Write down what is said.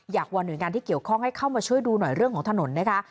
วอนหน่วยงานที่เกี่ยวข้องให้เข้ามาช่วยดูหน่อยเรื่องของถนนนะคะ